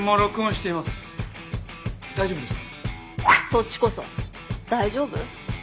そっちこそ大丈夫？